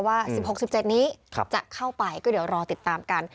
ว่า๑๖๑๗นี้จะเข้าไปก็เดี๋ยวรอติดตามกัน